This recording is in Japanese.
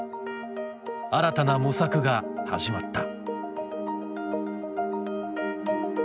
新たな模索が始まった。